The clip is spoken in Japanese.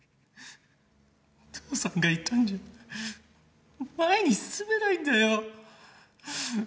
父さんがいたんじゃ前に進めないんだよ。